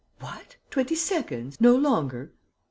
"What! Twenty seconds? No longer?"